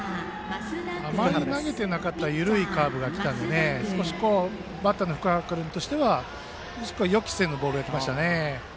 あまり投げていなかった緩いカーブが来たので少しバッターの福原君としては予期せぬボールが来ましたね。